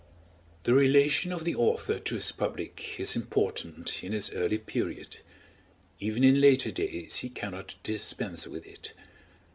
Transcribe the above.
The relation of the author to his public is important in his early period; even in later days he cannot dispense with it.